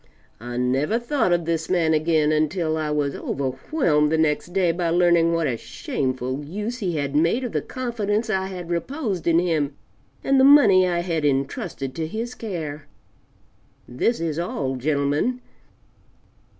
I never thought of this man again until I was overwhelmed the next day by learning what a shameful use he had made of the confidence I had reposed in him and the money I had entrusted to his care. This is all, gentlemen.